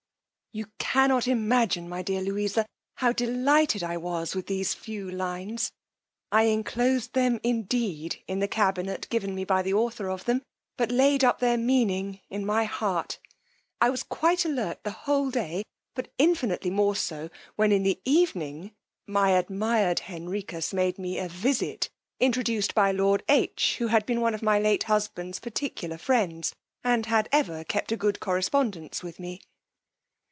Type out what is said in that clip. You cannot imagine, my dear Louisa, how delighted I was with these few lines; I enclosed them indeed in the cabinet given me by the author of them, but laid up their meaning in my heart: I was quite alert the whole day, but infinitely more so, when in the evening my admired Henricus made me a visit introduced by lord H , who had been one of my late husband's particular friends, and had ever kept a good correspondence with me.